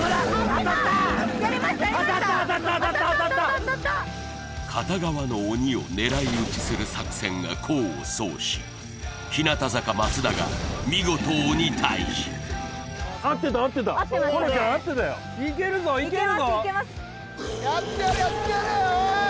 当たった当たった当たった当たった当たった当たった片側の鬼を狙い撃ちする作戦が功を奏し日向坂松田が見事鬼タイジいけるぞいけるぞやってやれやってやれ！